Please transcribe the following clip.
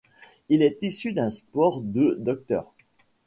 Il est issu d'un sport de 'Dr.